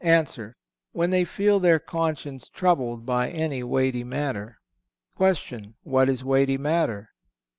A. When they feel their conscience troubled with any weighty matter. Q. What is weighty matter?